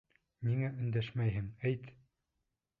Ниңә өндәшмәйһең, әйт!